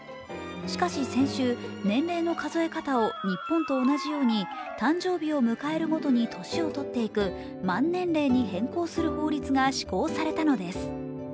しかし先週、年齢の数え方を日本と同じように誕生日を迎えるごとに年をとっていく満年齢に変更する法律が施行されたのです。